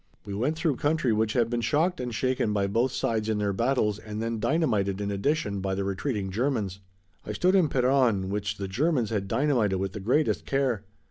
We went through country which had been shocked and shaken by both sides in their battles and then dynamited in addition by the retreating Germans. I stood in Peronne which the Germans had dynamited with the greatest care.